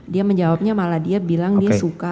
dia menjawabnya malah dia bilang dia suka